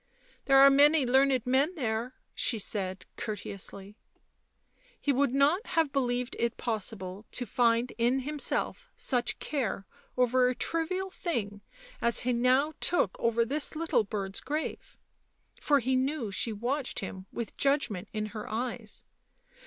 " There are many learned men there," she said ' courteously. He would not have believed it possible to find in himself such care over a trivial thing as he now took over this little bird's grave, for he knew she watched him with judgment in her eyes.